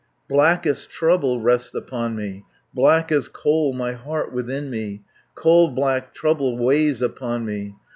Blackest trouble rests upon me, 170 Black as coal my heart within me, Coal black trouble weighs upon me.